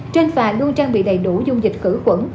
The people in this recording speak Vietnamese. trên phà luôn trang bị đầy đủ dung dịch khử khuẩn